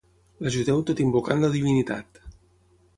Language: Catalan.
L'ajudeu tot invocant la divinitat.